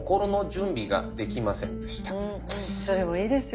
それもいいですよ。